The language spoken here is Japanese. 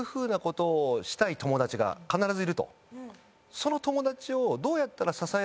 「その友達を」。